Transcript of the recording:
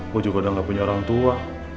gue juga udah gak punya orang tua